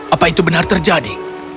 apa itu benar terjadi